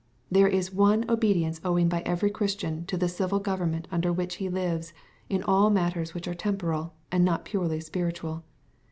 There is one obedience owing by every Christian to the civil government under which he lives, in all matters which are temporal, and not purely spiritual.